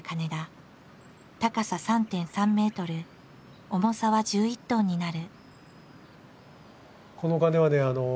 高さ３．３メートル重さは１１トンになる。